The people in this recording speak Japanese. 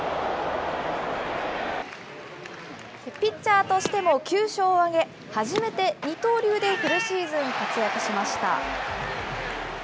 ピッチャーとしても９勝を挙げ、初めて二刀流でフルシーズン活躍しました。